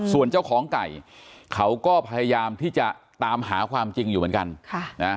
ส่วนเจ้าของไก่เขาก็พยายามที่จะตามหาความจริงอยู่เหมือนกัน